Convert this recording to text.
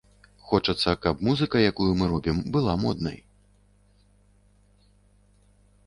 Хочацца, каб музыка, якую мы робім, была моднай.